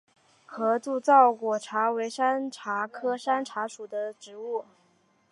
合柱糙果茶为山茶科山茶属的植物。